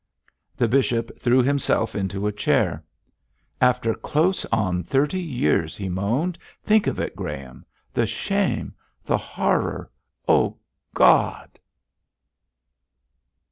The bishop threw himself into a chair. 'After close on thirty years,' he moaned, 'think of it, Graham the shame, the horror! Oh, God!'